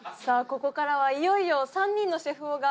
ここからはいよいよ。